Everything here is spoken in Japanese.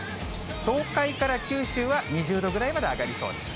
東海から九州は２０度ぐらいまで上がりそうです。